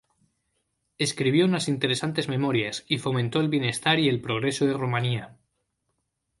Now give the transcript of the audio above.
Escribió unas interesantes Memorias y fomentó el bienestar y el progreso de Rumanía.